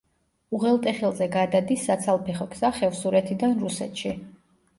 უღელტეხილზე გადადის საცალფეხო გზა ხევსურეთიდან რუსეთში.